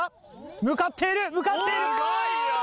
向かっている向かっている！